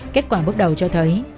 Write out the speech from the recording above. kết quả bước đầu cho thấy